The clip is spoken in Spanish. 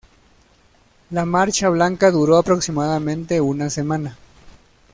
La marcha blanca duró aproximadamente una semana.